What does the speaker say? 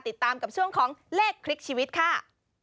ติดตามกับช่วงของเลขคลิกชีวิตค่ะ